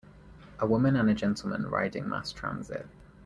A woman and a gentleman riding mass transit.